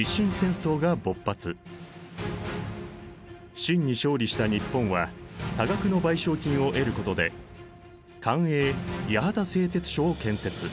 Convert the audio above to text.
清に勝利した日本は多額の賠償金を得ることで官営八幡製鉄所を建設。